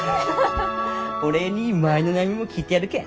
お礼に舞の悩みも聞いてやるけん。